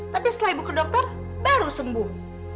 tapi setelah ibu ke dokter baru sembuh